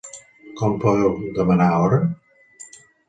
Com podeu demanar hora?